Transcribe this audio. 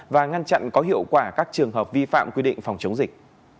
và ngăn chặn có hiệu quả các trường hợp vi phạm quy định phòng chống dịch